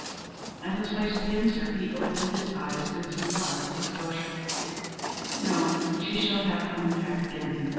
At his wife's answer, he opened his eyes in surprised displeasure. "No, she shall have her own pack again.